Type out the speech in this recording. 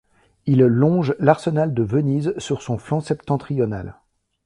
Il longe l'Arsenal de Venise sur son flanc septentrional.